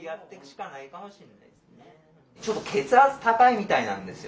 ちょっと血圧高いみたいなんですよ